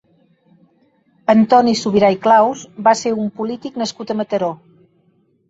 Antoni Subirà i Claus va ser un polític nascut a Mataró.